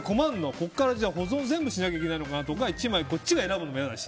そこから全部保存しなきゃいけないのかなとか１枚、こっちが選ぶのも嫌だし。